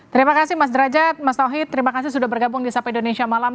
terima kasih mas derajat mas tauhid terima kasih sudah bergabung di sapa indonesia malam